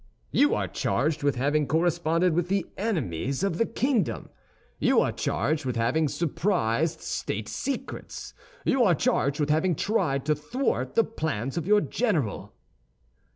"You are charged with having corresponded with the enemies of the kingdom; you are charged with having surprised state secrets; you are charged with having tried to thwart the plans of your general."